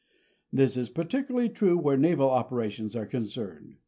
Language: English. This is particularly true where naval operations are concerned.